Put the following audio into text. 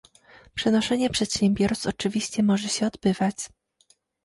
Przenoszenie przedsiębiorstw oczywiście może się odbywać